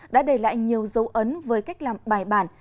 đã đề lại nhiều dấu ấn với cách làm bài bản